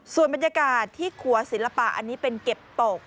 ส่วนบรรยากาศที่ขัวศิลปะอันนี้เป็นเก็บตก